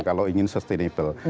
kalau ingin sustainable